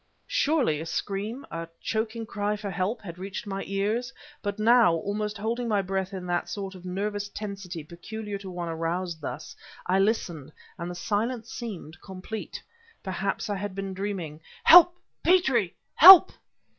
Surely a scream, a choking cry for help, had reached my ears; but now, almost holding my breath in that sort of nervous tensity peculiar to one aroused thus, I listened, and the silence seemed complete. Perhaps I had been dreaming... "Help! Petrie! Help!..."